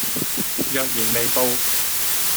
若然未報